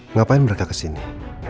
ngapain mereka ke sini